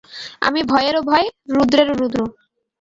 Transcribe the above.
আমি ভয়েরও ভয়, রুদ্রেরও রুদ্র।